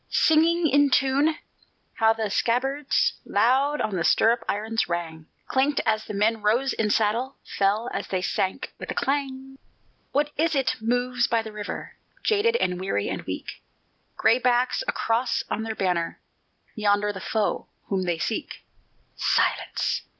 Singing in tune, how the scabbards Loud on the stirrup irons rang, Clinked as the men rose in saddle, Fell as they sank with a clang. What is it moves by the river, Jaded and weary and weak, Gray backs a cross on their banner Yonder the foe whom they seek. Silence!